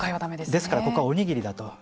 ですから、ここはおにぎりだと。